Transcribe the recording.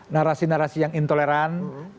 narasi narasi yang intoleran